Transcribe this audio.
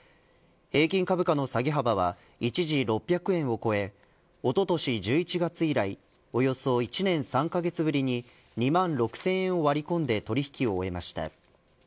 平均株価の下げ幅は一時６００円を超えおととし１１月以来およそ１年３カ月ぶりに２万６０００円を割り込んで取引を終えました。